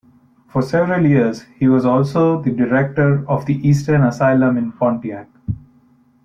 For several years, he was also the director of the Eastern Asylum in Pontiac.